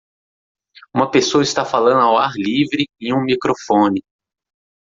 Uma pessoa está falando ao ar livre em um microfone.